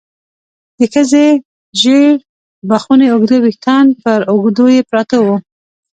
د ښځې ژېړ بخوني اوږده ويښتان پر اوږو يې پراته وو.